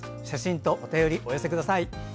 写真とお便りをお寄せください。